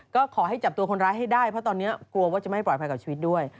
ก็ขอให้จับตัวคนร้ายให้ได้เพราะตอนนี้กลัวว่าจะไม่ปลอดภัยกับชีวิตด้วย